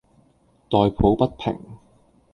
代抱不平；